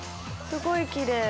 すごいきれい。